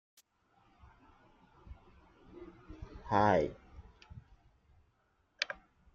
Display a list of escape characters.